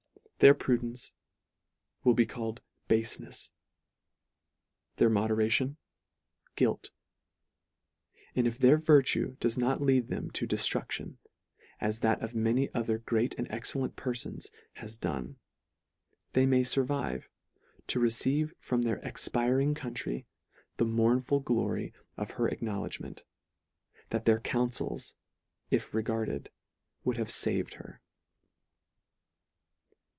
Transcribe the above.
Their prudence will be called bafenefs ; their moderation, guilt ; and if their virtue does not lead them to deftruclion, as that of many other great and excellent perfons has done, they may furvive, to receive from their expiring country, the mournful glory of her acknowledgment, that their councils, if re garded, would have faved her.